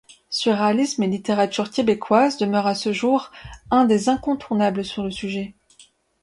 Surréalisme et littérature québécoise demeure à ce jour un des incontournables sur le sujet.